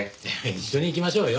一緒に行きましょうよ。